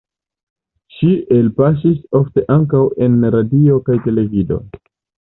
Ŝi elpaŝis ofte ankaŭ en radio kaj televido.